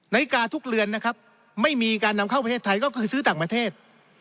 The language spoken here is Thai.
นาฬิกาทุกเรือนนะครับไม่มีการนำเข้าประเทศไทยก็คือซื้อต่างประเทศ